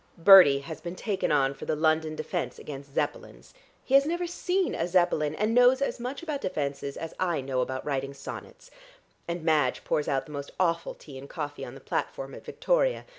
Bertie has been taken on for the London Defence against Zeppelins. He has never seen a Zeppelin and knows as much about defences as I know about writing sonnets; and Madge pours out the most awful tea and coffee on the platform at Victoria.